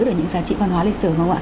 và giữ được những giá trị văn hóa lịch sử